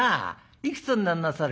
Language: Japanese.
いくつになんなさる？」。